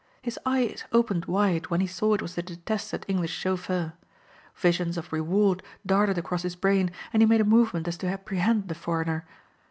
His eyes opened wide when he saw it was the detested English chauffeur. Visions of reward darted across his brain and he made a movement as to apprehend the foreigner.